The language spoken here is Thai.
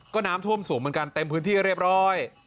ก็น้ำท่วมสูงเหมือนกันเต็มพื้นที่เรียบร้อย